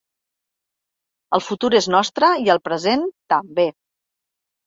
El futur és nostre i el present, també.